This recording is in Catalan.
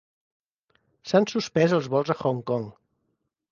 S'han suspès els vols a Hong Kong.